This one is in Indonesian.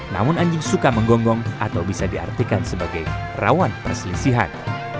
namun anjing suka menggonggong atau bisa diartikan sebagai rawan perselisihan